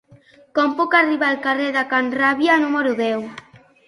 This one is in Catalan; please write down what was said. Com puc arribar al carrer de Can Ràbia número deu?